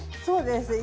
そうです。